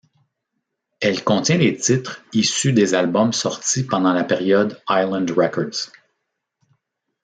Elle contient des titres issus des albums sortis pendant la période Island Records.